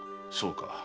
そうか。